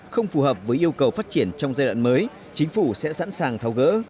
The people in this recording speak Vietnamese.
không phù hợp với yêu cầu phát triển trong giai đoạn mới chính phủ sẽ sẵn sàng thao gỡ